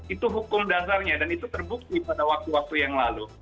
itu hukum dasarnya dan itu terbukti pada waktu waktu yang lalu